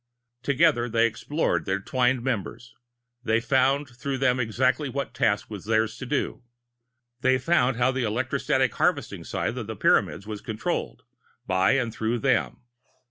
Together they explored their twinned members. They found through them exactly what task was theirs to do. They found how the electrostatic harvesting scythe of the Pyramids was controlled, by and through them.